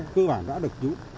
cơ bản đã được giữ